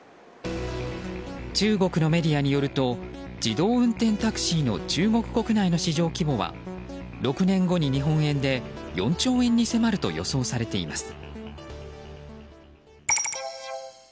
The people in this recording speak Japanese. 中国のメディアによると自動運転タクシーの中国国内の市場規模は６年後に日本円で４兆円に迫ると予想されています。